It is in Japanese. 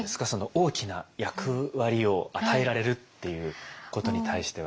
大きな役割を与えられるっていうことに対しては。